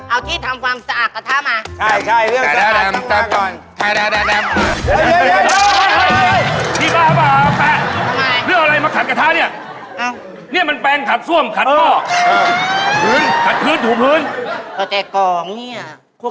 อันนี้ก็จีนเต้จิ๊ว